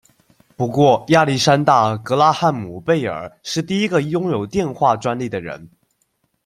不过亚历山大·格拉汉姆·贝尔是第一个拥有电话专利的人。